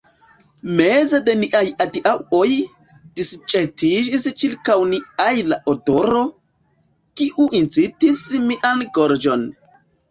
Meze de niaj adiaŭoj, disĵetiĝis ĉirkaŭ ni ajla odoro, kiu incitis mian gorĝon.